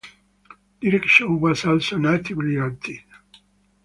DirectShow was also natively added.